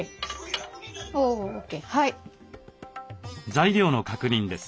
材料の確認です。